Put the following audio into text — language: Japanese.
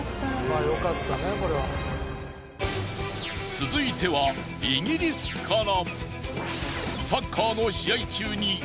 続いてはイギリスから。